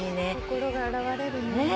心が洗われるね。